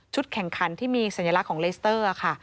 แข่งขันที่มีสัญลักษณ์ของเลสเตอร์ค่ะ